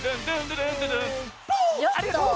ありがとう！